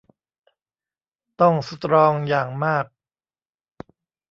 ต้องสตรองอย่างมาก